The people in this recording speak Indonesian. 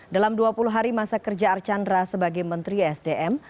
dalam dua puluh hari masa kerja archandra sebagai menteri sdm